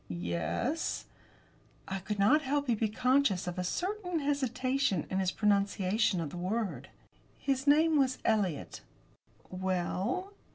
"Ye es." I could not help but be conscious of a certain hesitation in his pronunciation of the word. "His name was Eliot." "Well?"